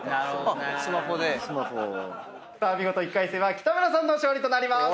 見事１回戦は北村さんの勝利となります！